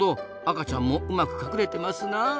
赤ちゃんもうまく隠れてますな。